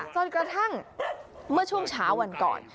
จนกระทั่งเมื่อช่วงเช้าวันก่อน